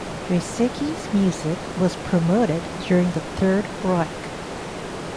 Draeseke's music was promoted during the Third Reich.